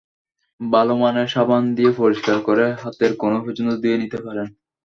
ভালো মানের সাবান দিয়ে পরিষ্কার করে হাতের কনুই পর্যন্ত ধুয়ে নিতে পারেন।